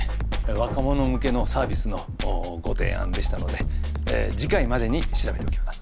若者向けのサービスのご提案でしたので次回までに調べておきます。